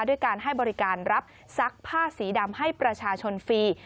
ด้วยการให้บริการรับซักผ้าสีดำให้ประชาชนฟรี